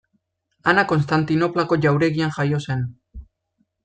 Ana Konstantinoplako jauregian jaio zen.